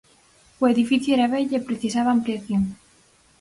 O edificio era vello e precisaba ampliación.